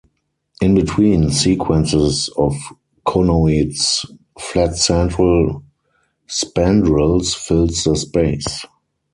In between sequences of conoids, flat central spandrels fill the space.